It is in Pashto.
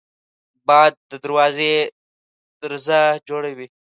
باد د دروازې درزا جوړوي